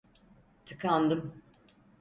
Tıkandım…